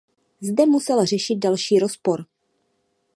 Zde musel řešit další rozpor.